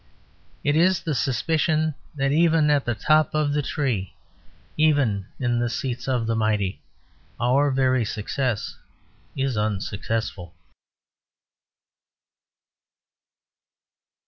It is the suspicion that even at the top of the tree, even in the seats of the mighty, our very success is unsuccessful.